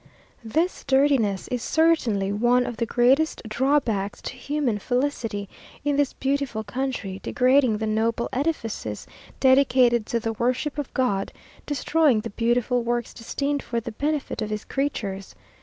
This dirtiness is certainly one of the greatest drawbacks to human felicity in this beautiful country, degrading the noble edifices dedicated to the worship of God, destroying the beautiful works destined for the benefit of his creatures.